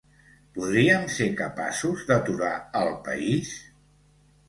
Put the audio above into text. Podríem ser capaços d’aturar el país?